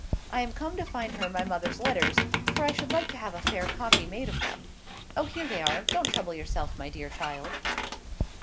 I am come to find her my mother's letters, for I should like to have a fair copy made of them. O, here they are: don't trouble yourself, my dear child."